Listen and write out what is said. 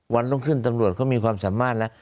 วันต้องขึ้นตำรวจเขามีความสามารถแล้ว